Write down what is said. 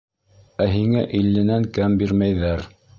Ә һиңә илленән кәм бирмәйҙәр!